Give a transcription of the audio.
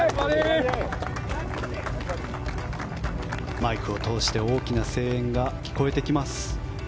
マイクを通して大きな声援が聞こえてきます。